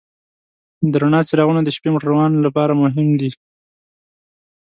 د رڼا څراغونه د شپې موټروان لپاره مهم دي.